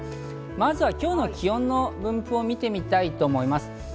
まずは今日の気温の分布を見てみたいと思います。